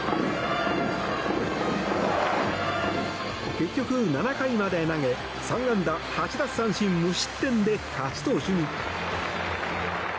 結局、７回まで投げ３安打８奪三振無失点で勝ち投手に。